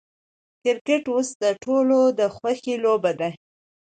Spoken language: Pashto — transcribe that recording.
کرکټ اوس د ټولو د خوښې لوبه ده.